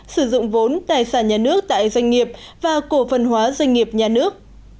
sử dụng vốn tài sản nhà nước tại doanh nghiệp và cổ phần hóa doanh nghiệp nhà nước